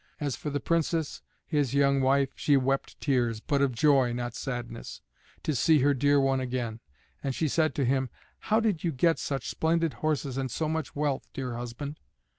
As for the Princess, his young wife, she wept tears, but of joy, not sadness, to see her dear one again, and she said to him, "How did you get such splendid horses and so much wealth, dear husband?"